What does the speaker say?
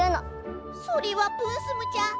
それはプンスムちゃん